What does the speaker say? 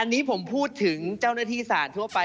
อันนี้ผมพูดถึงเจ้าหน้าที่ศาลทั่วไป